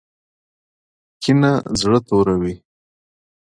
کینه زړه توروي